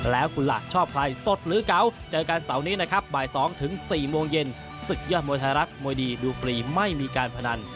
แล้วคุณล่ะชอบใครสดหรือเก๋าเจอกันเสาร์นี้นะครับบ่าย๒ถึง๔โมงเย็นศึกยอดมวยไทยรัฐมวยดีดูฟรีไม่มีการพนัน